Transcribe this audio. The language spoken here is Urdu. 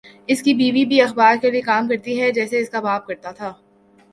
اس کی بیوی بھِی اخبار کے لیے کام کرتی ہے جیسے اس کا باپ کرتا تھا